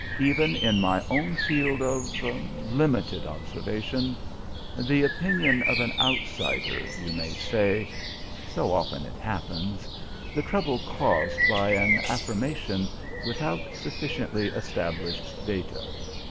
Even in my own field of limited observation the opinion of an outsider, you may say so often it happens the trouble caused by an affirmation without sufficiently established data.